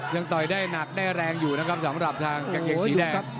ต่อยได้หนักได้แรงอยู่นะครับสำหรับทางกางเกงสีแดง